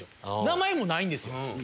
名前もないんですよ。